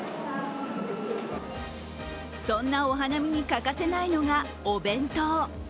そんなお花見に欠かせないのがお弁当。